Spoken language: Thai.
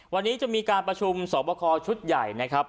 วันนี้จะมีการประชุมสอบคอชุดใหญ่นะครับ